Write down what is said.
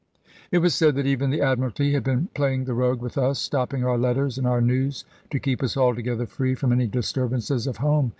It was said that even the Admiralty had been playing the rogue with us, stopping our letters, and our news, to keep us altogether free from any disturbances of home.